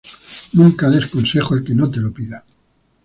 Nunca des consejo al que no te lo pide